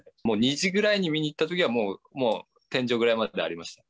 ２時ぐらいに見に行ったときには天井ぐらいまでになりました。